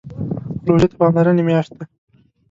روژه د پاملرنې میاشت ده.